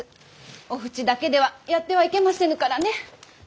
お扶持だけではやってはいけませぬからね。